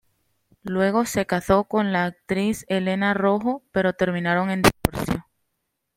Luego se casó con la actriz Helena Rojo, pero terminaron en divorcio.